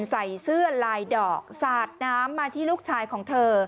ใส่เสื้อลายดอกสาดน้ำมาที่ลูกชายของเธอ